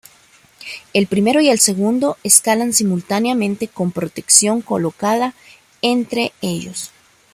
El primero y el segundo escalan simultáneamente con protección colocadas entre ellos.